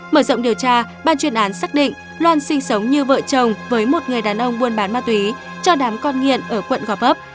mở rộng điều tra ban chuyên án xác định loan sinh sống như vợ chồng với một người đàn ông buôn bán ma túy cho đám con nghiện ở quận gò vấp